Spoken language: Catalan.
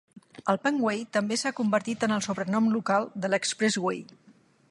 El Penway també s'ha convertit en el sobrenom local de l'Expressway.